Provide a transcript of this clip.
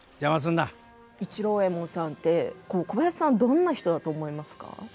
市郎右衛門さんって小林さんはどんな人だと思いますか？